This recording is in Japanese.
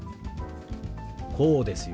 こうですよ。